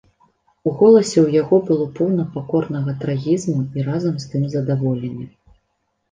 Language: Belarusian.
У голасе ў яго было поўна пакорнага трагізму і разам з тым задаволення.